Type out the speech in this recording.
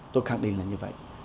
tôi khẳng định là như vậy